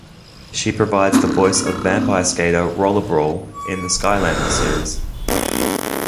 She provides the voice of vampire skater Roller Brawl in the "Skylanders" series.